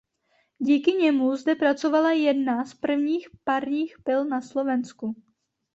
Díky němu zde pracovala jedna z prvních parních pil na Slovensku.